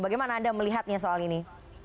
bagaimana anda melihatnya soal ini